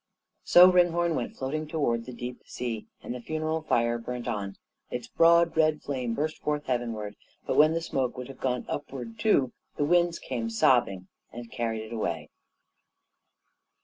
So Ringhorn went floating towards the deep sea and the funeral fire burnt on. Its broad red flame burst forth heavenward, but when the smoke would have gone upward too, the winds came sobbing and carried it away.